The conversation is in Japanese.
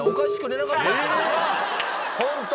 ホント。